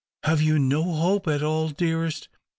Have you no hope at all, dearest